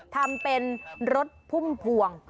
ทำเป็นรถพุ่มพวง